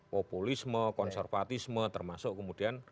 populisme konservatisme termasuk kemudian